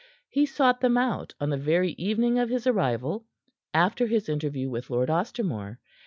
He sought them out on the very evening of his arrival after his interview with Lord Ostermore.